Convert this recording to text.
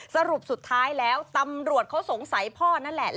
สรุปสุดท้ายแล้วตำรวจเขาสงสัยพ่อนั่นแหละ